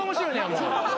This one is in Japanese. もう。